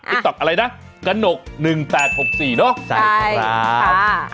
อ่าอะไรนะกระหนกหนึ่งแปดหกสี่เนอะใช่ครับ